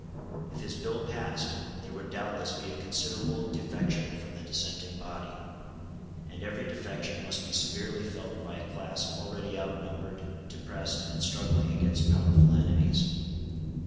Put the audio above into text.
If his bill passed, there would doubtless be a considerable defection from the dissenting body; and every defection must be severely felt by a class already outnumbered, depressed, and struggling against powerful enemies.